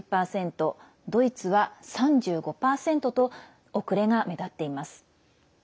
ドイツは３５％と遅れが目立っています。